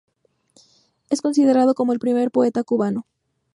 Es considerado como el primer poeta cubano.